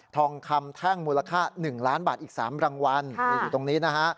ทองคำแท่งมูลค่า๑ล้านบาทอีก๓รางวัลอยู่ตรงนี้นะฮะ